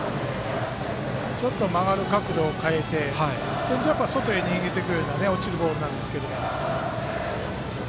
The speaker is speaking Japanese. ちょっと曲がる角度を変えてチェンジアップは外に逃げてくるような落ちるボールなんですけど。